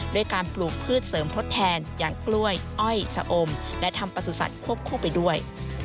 ด้วยการปลูกพืชเสริมทดแทนอย่างกล้วยอ้อยชะอมและทำประสุทธิ์ควบคู่ไปด้วย